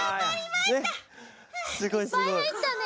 いっぱいはいったね！